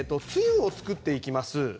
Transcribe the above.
水を作っていきます。